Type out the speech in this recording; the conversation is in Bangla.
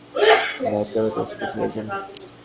লস এঞ্জেলস ব্যাংকিং বিভাগের দায়িত্বরত স্পেশাল এজেন্ট।